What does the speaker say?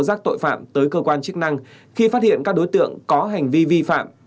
giác tội phạm tới cơ quan chức năng khi phát hiện các đối tượng có hành vi vi phạm